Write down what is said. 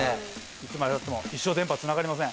いつまでたっても一生電波つながりません。